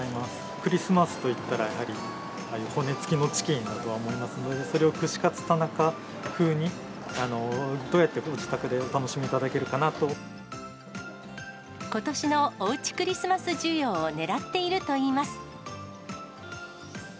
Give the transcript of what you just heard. クリスマスといったら、やはり骨付きのチキンだとは思いますので、それを串カツ田中風に、どうやってご自宅でお楽しみいただけるかことしのおうちクリスマス需要をねらっているといいます。